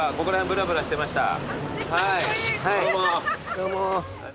どうも。